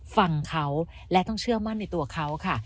ฟังเขาและต้องเชื่อมั่นในตัวเขาค่ะ